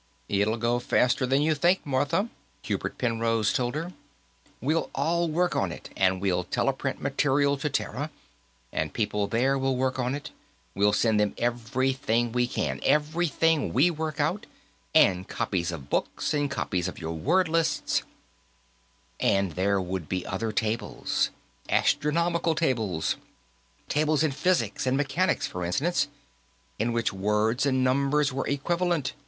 "It'll go faster than you think, Martha," Hubert Penrose told her. "We'll all work on it, and we'll teleprint material to Terra, and people there will work on it. We'll send them everything we can ... everything we work out, and copies of books, and copies of your word lists " And there would be other tables astronomical tables, tables in physics and mechanics, for instance in which words and numbers were equivalent.